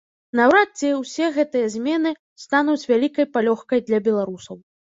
Наўрад ці ўсе гэтыя змены стануць вялікай палёгкай для беларусаў.